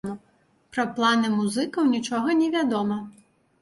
Пра планы музыкаў нічога не вядома.